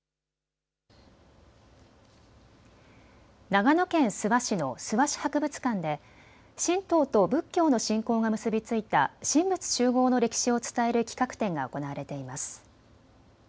長野県諏訪市の諏訪市博物館で神道と仏教の信仰が結び付いた神仏習合の歴史を伝える企画展が行われています。